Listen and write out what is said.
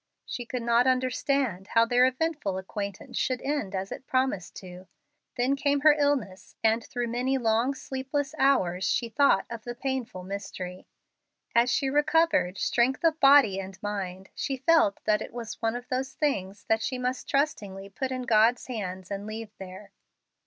She could not understand how their eventful acquaintance should end as it promised to. Then came her illness, and through many long, sleepless hours, she thought of the painful mystery. As she recovered strength of body and mind she felt that it was one of those things that she must trustingly put in God's hands and leave there.